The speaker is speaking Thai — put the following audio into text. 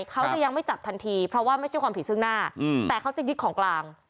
เขาจะยังไม่จับทันทีเพราะว่าไม่ใช่ความผิดซึ่งหน้าแต่เขาจะยึดของกลาง